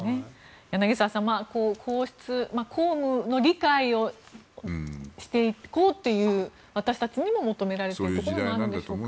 柳澤さん、皇室公務の理解をしていこうという私たちにも求められているところがあるんでしょうか。